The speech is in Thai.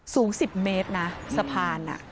สูง๑๐เมตรนะสะพาน